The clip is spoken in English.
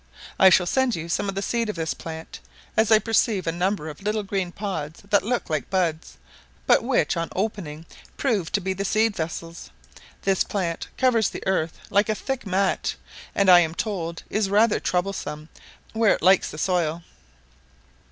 I shall send you some of the seed of this plant, as I perceived a number of little green pods that looked like the buds, but which, on opening, proved to be the seed vessels. This plant covers the earth like a thick mat, and, I am told, is rather troublesome where it likes the soil.